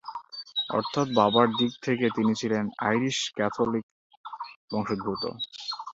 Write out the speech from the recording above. অর্থাৎ বাবার দিক থেকে তিনি ছিলেন আইরিশ-ক্যাথোলিক বংশোদ্ভূত।